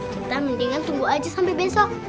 kita mendingan tunggu aja sampai besok